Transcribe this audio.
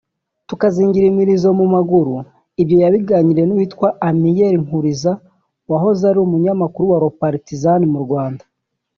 tukazingira imirizo mu maguru” ibyo yabiganiriye n’uwitwa Amiel Nkuriza wahoze ari umunyamakuru wa Le Partisan mu Rwanda